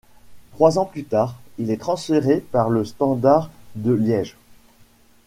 Trois ans plus tard, il est transféré par le Standard de Liège.